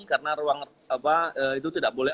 karena ruang itu tidak boleh